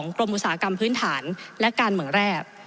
กรมอุตสาหกรรมพื้นฐานและการเมืองแรก